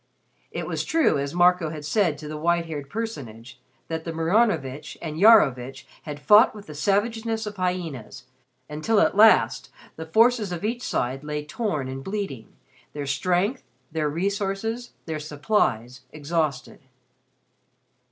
It was true, as Marco had said to the white haired personage, that the Maranovitch and Iarovitch had fought with the savageness of hyenas until at last the forces of each side lay torn and bleeding, their strength, their resources, their supplies exhausted.